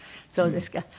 そうですか。